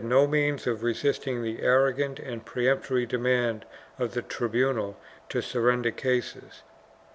IV] CATALONIA 4(39 no means of resisting the arrogant and peremptory demand of the tribunal to surrender cases.